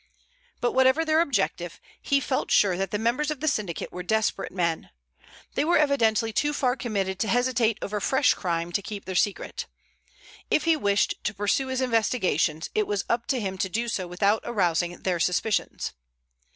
But whatever their objective, he felt sure that the members of the syndicate were desperate men. They were evidently too far committed to hesitate over fresh crime to keep their secret. If he wished to pursue his investigations, it was up to him to do so without arousing their suspicions.